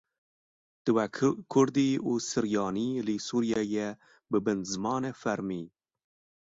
Divê kurdî û siryanî li Sûriyeyê bibin zimanê fermî.